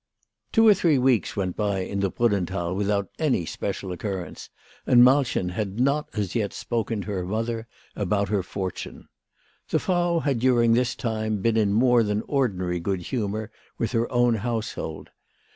Two or three weeks went by in the Brunnenthal with out any special occurrence, and Malchen had not as yet spoken to her mother about her fortune. The Frau had during this time been in more than ordinary good humour with her own household.